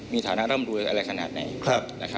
มีฐานะร่ำรวยอะไรขนาดไหน